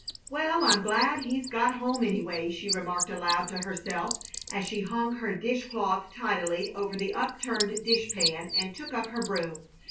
"Well, I'm glad he's got home, anyway," she remarked, aloud, to herself as she hung her dish cloth tidily over the upturned dish pan and took up her broom.